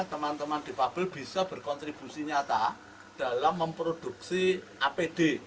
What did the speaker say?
teman teman difabel bisa berkontribusi nyata dalam memproduksi apd